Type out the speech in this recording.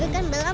aku mau lihat